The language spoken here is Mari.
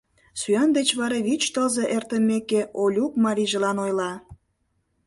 Сӱан деч вара вич тылзе эртымеке, Олюк марийжылан ойла: